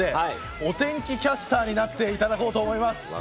お天気キャスターになっていただこうと思います。